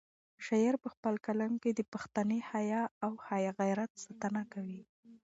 شاعر په خپل کلام کې د پښتني حیا او غیرت ساتنه کوي.